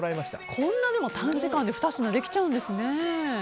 こんな短時間で２品できちゃうんですね。